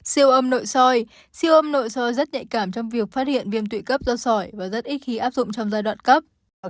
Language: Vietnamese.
siêu âm nội soi siêu âm nội soi rất nhạy cảm trong việc phát hiện viêm tụy cấp do sỏi và rất ít khi áp dụng trong giai đoạn cấp